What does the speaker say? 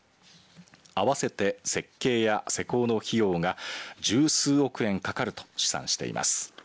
合わせて設計や施工の費用が十数億円かかると試算しています。